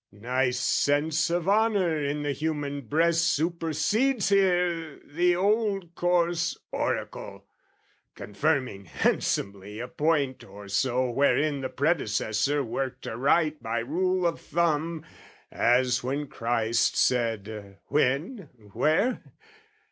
Nice sense of honour in the human breast Supersedes here the old coarse oracle Confirming handsomely a point or so Wherein the predecessor worked aright By rule of thumb: as when Christ said, when, where?